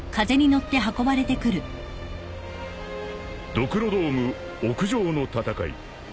［ドクロドーム屋上の戦い］